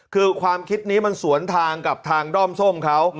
คือความคิดนี้มันสวนทางกับทางด้อมส้มเขา